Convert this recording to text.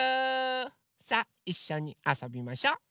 さあいっしょにあそびましょ。